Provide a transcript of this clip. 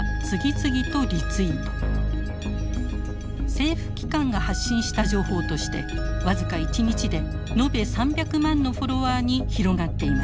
政府機関が発信した情報として僅か１日で延べ３００万のフォロワーに広がっていました。